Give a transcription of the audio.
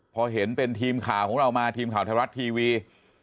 พอเห็นเป็นทีมข่าวของเรามาทีมข่าวไทยรัฐทีวี